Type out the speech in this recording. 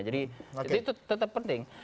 jadi itu tetap penting